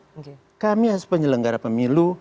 oke kami harus penyelenggara pemilu